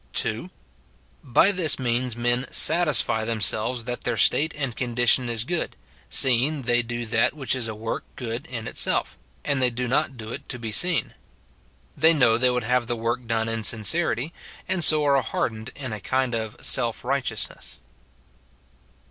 [2.] Bj this means men satisfy themselves that their state and condition is good, seeing they do that which is a work good in itself, and they do not do it to be seen. They know they would have the work done in sincerity, and so are hardened in a kind of self righteousness.